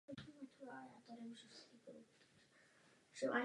Obsahuje písně zpívané ve velšském jazyce.